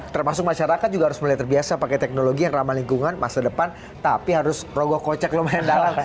termasuk masyarakat juga harus mulai terbiasa pakai teknologi yang ramah lingkungan masa depan tapi harus rogoh kocek lumayan dalam